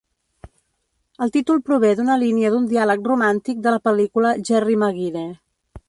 El títol prové d'una línia d'un diàleg romàntic de la pel·lícula "Jerry Maguire".